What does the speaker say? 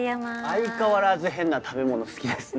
相変わらず変な食べ物好きですね。